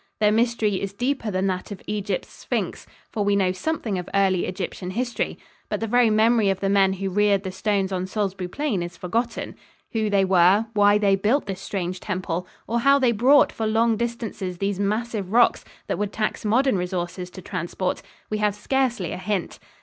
Their mystery is deeper than that of Egypt's sphynx, for we know something of early Egyptian history, but the very memory of the men who reared the stones on Salisbury Plain is forgotten. Who they were, why they built this strange temple, or how they brought for long distances these massive rocks that would tax modern resources to transport, we have scarcely a hint.